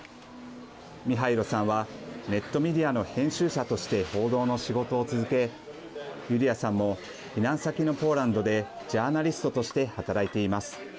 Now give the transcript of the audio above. ミハイロさんはネットメディアの編集者として報道の仕事を続けユリアさんも避難先のポーランドでジャーナリストとして働いています。